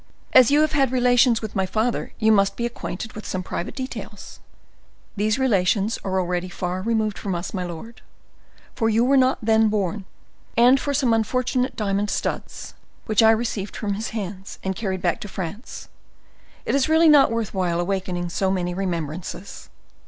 "As you have had relations with my father, you must be acquainted with some private details?" "These relations are already far removed from us, my lord—for you were not then born—and for some unfortunate diamond studs, which I received from his hands and carried back to France, it is really not worth while awakening so many remembrances."